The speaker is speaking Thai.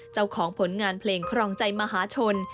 เจ้าของผลงานเพลงครองใจมหาชน